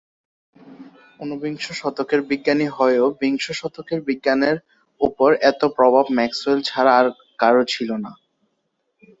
উনবিংশ শতকের বিজ্ঞানী হয়েও বিংশ শতকের বিজ্ঞানের উপর এতো প্রভাব ম্যাক্সওয়েল ছাড়া আর কারো ছিল না।